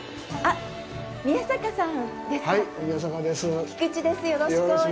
あっ、宮坂さんですか？